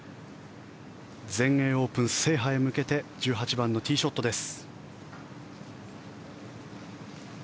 全英オープン制覇へ向けて１８番のティーショットです。